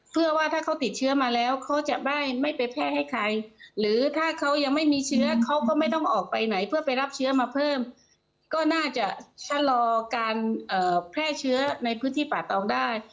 เพื่อว่าถ้าเขาติดเชื้อมาแล้วเขาจะไม่ไปแพร่ให้ใครหรือถ้าเขายังไม่มีเชื้อเขาก็ไม่ต้องออกไปไหนเพื่อไปรับเชื้อมาเพิ่มก็น่าจะชะลอการแพร่เชื้อในพื้นที่ป่าตองได้